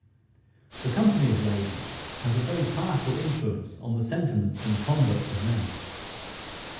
The company of ladies has a very powerful influence on the sentiments and conduct of men.